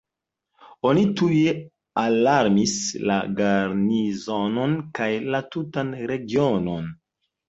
Oni tuj alarmis la garnizonon kaj la tutan regionon.